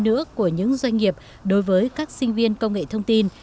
nữa của những doanh nghiệp đối với các sinh viên công nghệ thông tin